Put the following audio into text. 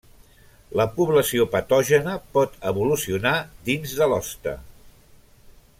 La població patògena pot evolucionar dins de l'hoste.